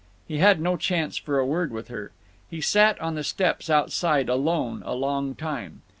He had no chance for a word with her. He sat on the steps outside alone a long time.